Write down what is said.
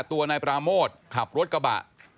ตัวนายปราโมทขับรถกระบะ